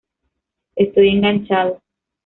Estoy enganchado".